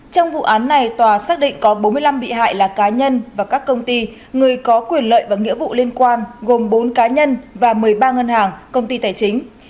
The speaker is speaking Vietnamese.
trong vụ án này tòa xác định có bốn mươi năm bị hại là cá nhân và các công ty người có quyền lợi và nghĩa vụ liên quan gồm bốn cá nhân và một mươi ba ngân hàng công ty tài chính